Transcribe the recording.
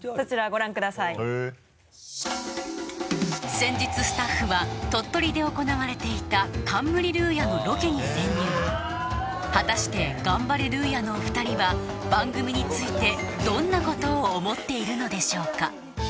先日スタッフは鳥取で行われていた「冠ルーヤ」のロケに潜入果たしてガンバレルーヤのお二人は番組についてどんなことを思っているのでしょうか？